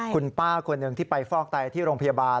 คุณป้าคนหนึ่งที่ไปฟอกไตที่โรงพยาบาล